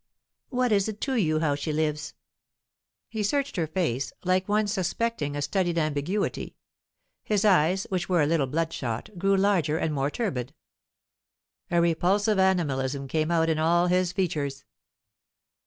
What is it to you how she lives?" He searched her face, like one suspecting a studied ambiguity. His eyes, which were a little bloodshot, grew larger and more turbid; a repulsive animalism came out in all his features.